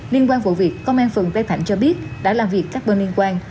liên quan vụ việc công an phường lê thạnh cho biết đã làm việc các bên liên quan